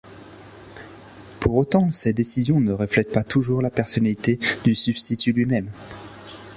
Pour autant, ces décisions ne reflètent pas toujours la personnalité du substitut lui-même.